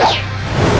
rayus rayus sensa pergi